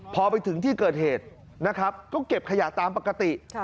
พอไปถึงที่เกิดเหตุนะครับก็เก็บขยะตามปกติ